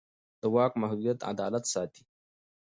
د واک محدودیت عدالت ساتي